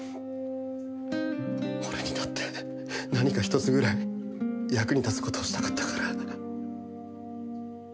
俺にだって何か一つぐらい役に立つ事をしたかったから。